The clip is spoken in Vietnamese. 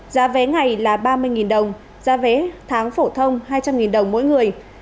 giá vé ngày là ba mươi đồng giá vé tháng phổ thông hai trăm linh đồng mỗi người